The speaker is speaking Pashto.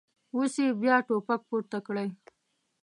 اوس یې بیا ټوپک پورته کړی.